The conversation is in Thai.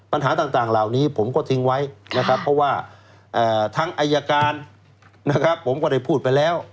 ปัญหาต่างเหล่านี้ผมก็ทิ้งไว้นะครับเพราะว่าทั้งอายการนะครับผมก็ได้พูดไปแล้ว